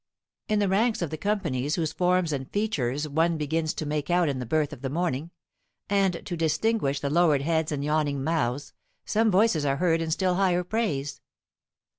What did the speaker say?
In the ranks of the companies whose forms and features one begins to make out in the birth of morning, and to distinguish the lowered heads and yawning mouths, some voices are heard in still higher praise.